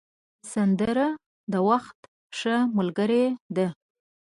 سندره د وخت ښه ملګرې ده